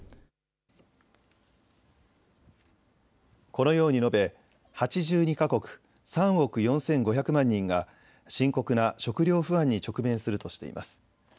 このように述べ、８２か国３億４５００万人が深刻な食料不安に直面するとしています。